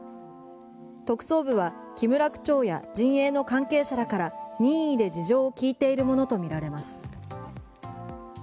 木村区長や陣営の関係者らから任意で事情を聞いているものとみられます。